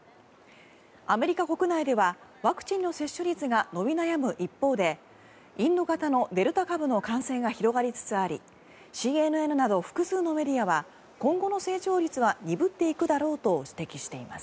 アメリカ国内ではワクチンの接種率が伸び悩む一方でインド型のデルタ株の感染が広がりつつありＣＮＮなど複数のメディアは今後の成長率は鈍っていくだろうと指摘しています。